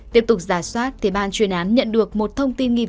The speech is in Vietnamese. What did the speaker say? tiếp tục giả soát thì ban chuyên án nhận được một thông tin nghiêm túc